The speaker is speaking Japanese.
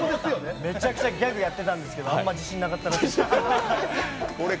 めちゃくちゃギャグやってたんですけどあまり自信なかったみたい。